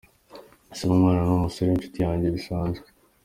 Se w’umwana ni umusore w’inshuti yanjye bisanzwe”.